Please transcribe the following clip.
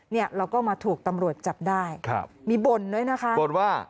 เนี่ยแล้วก็มาถูกตำรวจจับได้ครับมีบ่นด้วยนะคะบ่นว่า